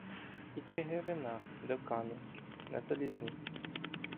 і Чигирина до Кам'янки, на залізницю.